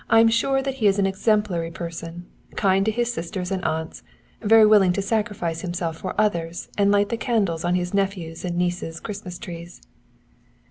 I'm sure that he is an exemplary person kind to his sisters and aunts, very willing to sacrifice himself for others and light the candles on his nephews' and nieces' Christmas trees."